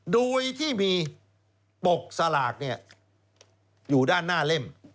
โดยที่มีปกสลากอยู่ด้านหน้าเล่ม